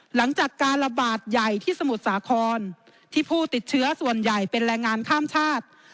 หลังจากการระบาดใหญ่ที่สมุทรสาครที่ผู้ติดเชื้อส่วนใหญ่เป็นแรงงานข้ามชาติ